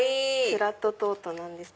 フラットトートです。